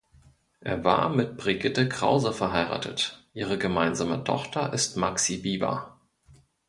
Er war mit Brigitte Krause verheiratet, ihre gemeinsame Tochter ist Maxi Biewer.